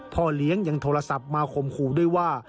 พ่อเลี้ยงยังโทรศัพท์มาข่มขู่ด้วยว่า